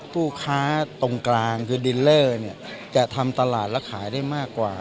ผู้ค้าตรงกลางคือดินเลอร์จะทำตลาดและขายได้มากกว่า